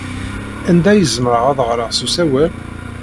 Anda ay zemreɣ ad ɣreɣ s usawal?